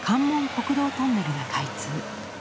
国道トンネルが開通。